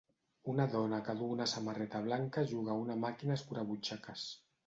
Una dona que duu una samarreta blanca juga a una màquina escurabutxaques.